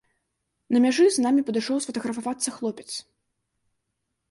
На мяжы з намі падышоў сфатаграфавацца хлопец.